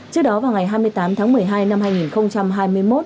trước đó vào ngày hai mươi tám tháng một mươi hai năm hai nghìn hai mươi một